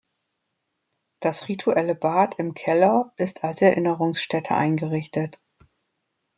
Das rituelle Bad im Keller ist als Erinnerungsstätte eingerichtet.